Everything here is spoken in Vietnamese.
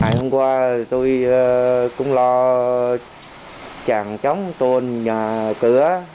chúng tôi cũng lo chẳng chống tôn nhà cửa